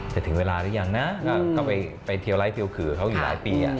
ถึงเวลาหรือยังนะก็ไปเทียวไลท์เทียวขื่อเขาอยู่หลายปี